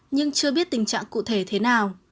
nhưng chưa biết tình trạng cụ thể thế nào